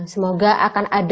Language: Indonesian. semoga akan ada